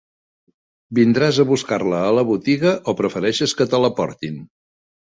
Vindràs a buscar-la a la botiga o prefereixes que te la portin?